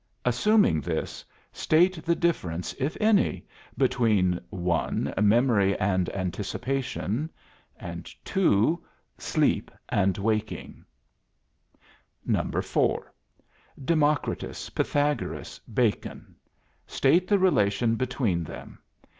Assuming this, state the difference, if any, between (1) memory and anticipation; (2) sleep and waking. 4. Democritus, Pythagoras, Bacon. State the relation between them.